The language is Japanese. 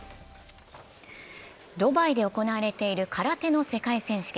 ドバイで行われている空手の世界選手権。